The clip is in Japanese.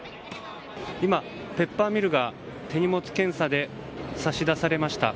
今、ペッパーミルが手荷物検査で差し出されました。